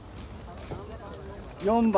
４番。